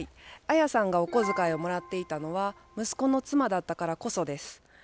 アヤさんがお小遣いをもらっていたのは息子の妻だったからこそです。